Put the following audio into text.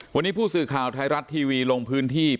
วันนี้ผู้สื่อข่าวไทยรัฐทีวีลงพื้นที่